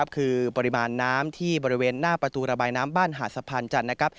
คือปริมาณน้ำที่บริเวณหน้าประตูระบายน้ำบ้านหาดสะพานจันทร์นะครับ